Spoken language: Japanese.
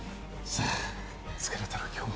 さあ疲れたろ今日も